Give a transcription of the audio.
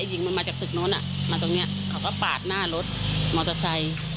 หญิงมันมาจากตึกโน้นมาตรงนี้เขาก็ปาดหน้ารถมอเตอร์ไซค์